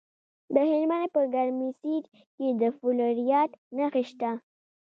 د هلمند په ګرمسیر کې د فلورایټ نښې شته.